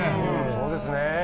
そうですね。